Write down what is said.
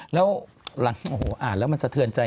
แล้วหลังโอ้โหอ่านแล้วมันสะเทือนใจ